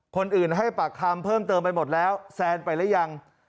คนอื่นให้ปากคำเพิ่มเติมไปหมดแล้วแซนไปหรือยัง